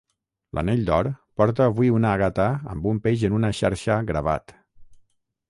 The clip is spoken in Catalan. L'anell, d'or, porta avui una àgata amb un peix en una xarxa gravat.